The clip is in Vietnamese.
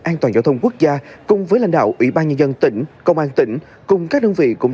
an toàn giao thông quốc gia cùng với lãnh đạo ủy ban nhân dân tỉnh công an tỉnh cùng các đơn vị cũng